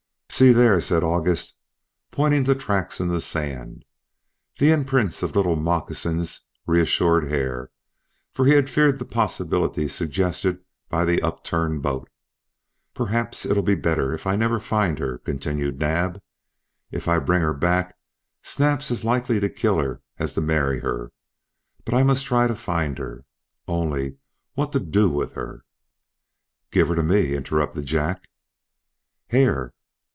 "See there," said August, pointing to tracks in the sand. The imprints of little moccasins reassured Hare, for he had feared the possibility suggested by the upturned boat. "Perhaps it'll be better if I never find her," continued Naab. "If I bring her back Snap's as likely to kill her as to marry her. But I must try to find her. Only what to do with her " "Give her to me," interrupted Jack. "Hare!"